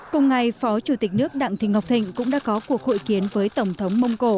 cùng ngày phó chủ tịch nước đặng thị ngọc thịnh cũng đã có cuộc hội kiến với tổng thống mông cổ